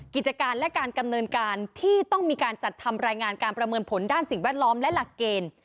กิจการและการดำเนินการที่ต้องมีการจัดทำรายงานการประเมินผลด้านสิ่งแวดล้อมและหลักเกณฑ์